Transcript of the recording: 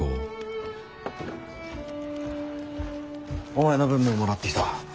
おお！お前の分ももらってきた。